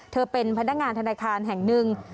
เป็นพนักงานธนาคารแห่งหนึ่ง